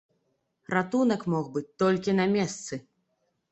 Ратунак мог быць толькі на месцы.